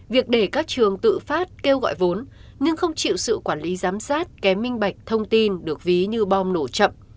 việc để các trường tự phát kêu gọi vốn nhưng không chịu sự quản lý giám sát kém minh bạch thông tin được ví như bom nổ chậm